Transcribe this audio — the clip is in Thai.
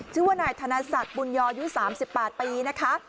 ผู้หน่ายธนศัตริย์บุญยอยู่๓๘ปีนะคะ